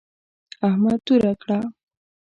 احمد توره کړه.